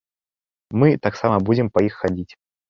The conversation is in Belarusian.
Мы таксама будзем па іх хадзіць!